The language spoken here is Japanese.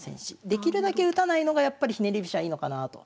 できるだけ打たないのがやっぱりひねり飛車いいのかなあと。